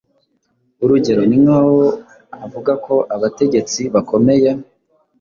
Urugero ni nkaho avuga ko abategetsi bakomeye